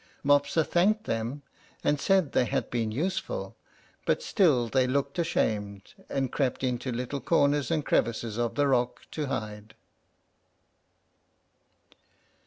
Mopsa thanked them, and said they had been useful; but still they looked ashamed, and crept into little corners and crevices of the rock, to hide.